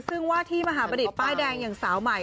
ซึ่งว่าที่มหาบัณฑิตป้ายแดงอย่างสาวใหม่